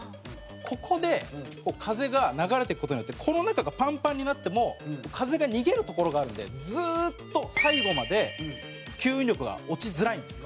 ここで風が流れていく事によってこの中がパンパンになっても風が逃げる所があるのでずっと最後まで吸引力が落ちづらいんですよ。